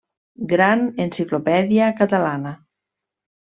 Gran Enciclopèdia Catalana.